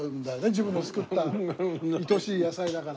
自分の作ったいとしい野菜だから。